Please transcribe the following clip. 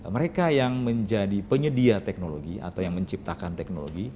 mereka yang menjadi penyedia teknologi atau yang menciptakan teknologi